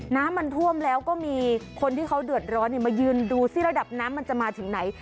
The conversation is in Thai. น้ำมันท่วมแล้วก็มีคนที่เขาเดือดร้อนมายืนดูซิระดับน้ำมันจะมาถึงไหน